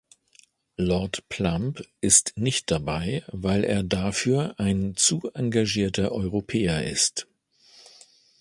Lord Plumb ist nicht dabei, weil er dafür ein zu engagierter Europäer ist.